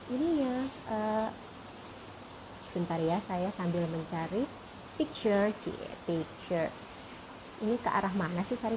ini ya sebentar ya saya sambil mencari picture picture ini kearah mana sih cari